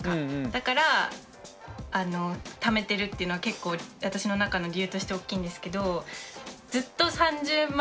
だからためてるっていうのは結構私の中の理由として大きいんですけど。